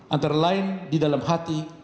antara lain di dalam hati